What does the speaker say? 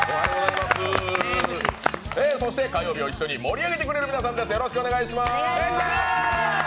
そして火曜日を一緒に盛り上げてくれる皆さんです。